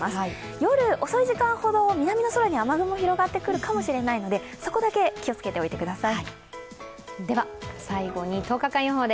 夜遅い時間ほど南の空に雨雲が広がってくるかもしれないのでそこだけ気を付けておいてください。